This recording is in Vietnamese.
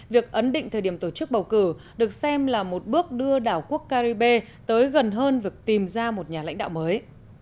việc ấn định thời điểm tổ chức bầu cử được xem là một bước đưa đảo quốc caribe tới gần hơn việc tìm ra một nhà lãnh đạo mới